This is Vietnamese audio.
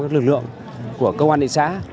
một trăm linh lực lượng của công an thị xã